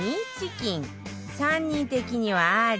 ３人的にはあり？